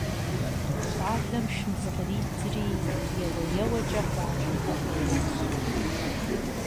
Щӏалэм шым зыкъридзри еуэеуэкӏэ къуажэм къэкӏуэжащ.